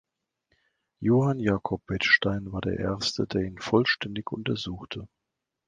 Johann Jakob Wettstein war der Erste, der ihn vollständig untersuchte.